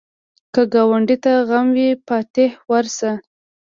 که ګاونډي ته غم وي، فاتحه ورشه